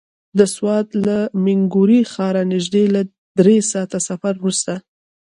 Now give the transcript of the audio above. د سوات له مينګورې ښاره نژدې له دری ساعته سفر وروسته.